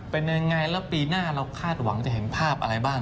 เป็นยังไงแล้วปีหน้าเราคาดหวังจะเห็นภาพอะไรบ้าง